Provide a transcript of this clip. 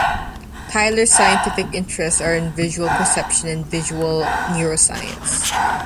Tyler's scientific interests are in visual perception and visual neuroscience.